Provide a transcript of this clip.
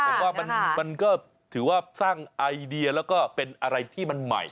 ผมว่ามันก็ถือว่าสร้างไอเดียแล้วก็เป็นอะไรที่มันใหม่